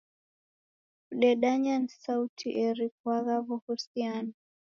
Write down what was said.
Kudedanya ni suti, eri kuagha w'uhusiano.